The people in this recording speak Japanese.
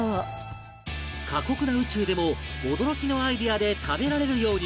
過酷な宇宙でも驚きのアイデアで食べられるように